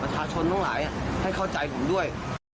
ทั้งหลายให้เข้าใจผมด้วย